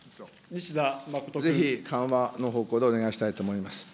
ぜひ緩和の方向でお願いしたいと思います。